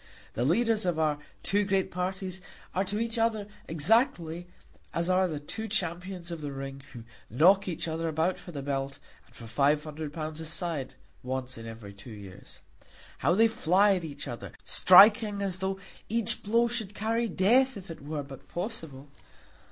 The leaders of our two great parties are to each other exactly as are the two champions of the ring who knock each other about for the belt and for five hundred pounds a side once in every two years. How they fly at each other, striking as though each blow should carry death if it were but possible!